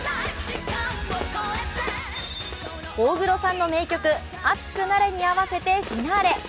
大黒さんの名曲「熱くなれ」に合わせてフィナーレ。